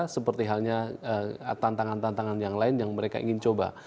seperti halnya tantangan tantangan yang lain yang mereka ingin coba